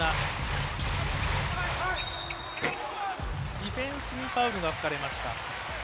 ディフェンスにファウルが吹かれました。